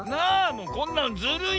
もうこんなのずるい。